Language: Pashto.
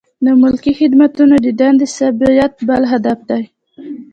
د ملکي خدمتونو د دندو تثبیت بل هدف دی.